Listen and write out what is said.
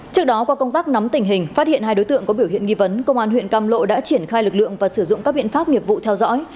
trước đó qua công tác nắm tình hình phát hiện hai đối tượng có biểu hiện nghi vấn công an huyện cam lộ đã triển khai lực lượng và sử dụng các biện pháp nghiệp vụ theo dõi